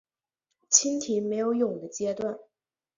蜻蜓没有蛹的阶段。